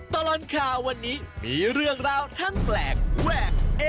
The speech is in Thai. ตลอดข่าววันนี้มีเรื่องราวทั้งแปลกแวกเอ๊